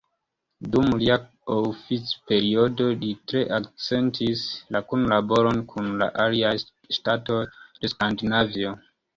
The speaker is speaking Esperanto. Dum lia oficperiodo li tre akcentis la kunlaboron kun la aliaj ŝtatoj de Skandinavio.